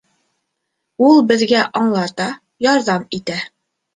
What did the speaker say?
Ул беҙгә аңлата, ярҙам итә.